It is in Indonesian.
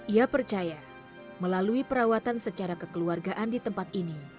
ia percaya melalui perawatan secara kekeluargaan di tempat ini